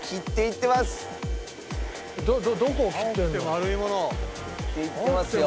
切ってますよ。